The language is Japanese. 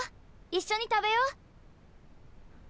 一緒に食べよう。